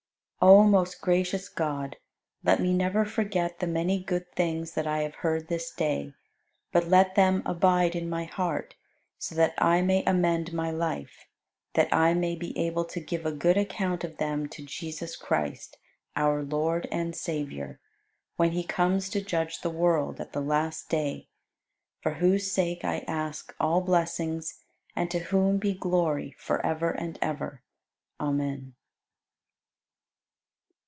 88. O most gracious God, let me never forget the many good things that I have heard this day; but let them abide in my heart, so that I may amend my life, that I may be able to give a good account of them to Jesus Christ, our Lord and Savior, when He comes to judge the world at the Last Day, for whose sake I ask all blessings, and to whom be glory forever and ever! Amen.